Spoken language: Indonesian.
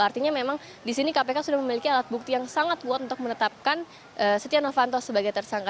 artinya memang di sini kpk sudah memiliki alat bukti yang sangat kuat untuk menetapkan setia novanto sebagai tersangka